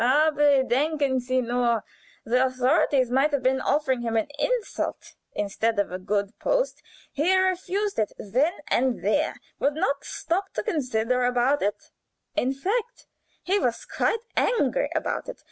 Aber denken sie nur! The authorities might have been offering him an insult instead of a good post. He refused it then and there; would not stop to consider about it in fact, he was quite angry about it.